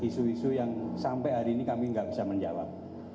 isu isu yang sampai hari ini kami nggak bisa menjawab